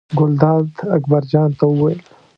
ګلداد اکبر جان ته وویل.